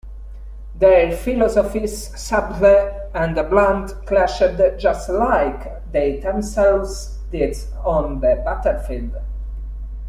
Their philosophies, subtle and blunt, clashed just like they themselves did on the battlefield.